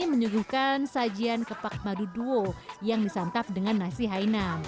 menyuguhkan sajian kepak madu duo yang disantap dengan nasi hainang